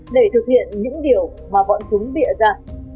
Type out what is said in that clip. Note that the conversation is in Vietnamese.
để thực hiện những điều mà bọn chúng bịa ra